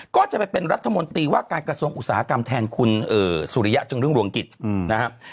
ก็จะไปเป็นรัฐมนตรีว่าการกระทรวงอุตสาหกรรมแทนคุณสุริยะจึงรุ่งรวงกิจนะครับ